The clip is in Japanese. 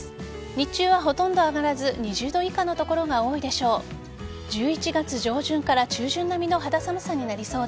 日中はほとんど上がらず２０度以下の所が多いでしょう。